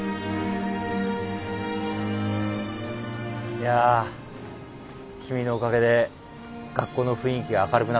いやぁ君のおかげで学校の雰囲気が明るくなった。